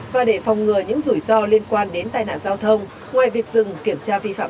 và để phòng ngừa những rủi ro liên quan đến tai nạn giao thông ngoài việc dừng kiểm tra vi phạm